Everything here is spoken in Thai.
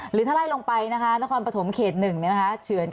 หรือถ้าไล่ลงไปนะคะนครปฐมเขต๑